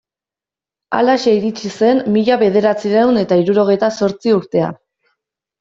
Halaxe iritsi zen mila bederatziehun eta hirurogeita zortzi urtea.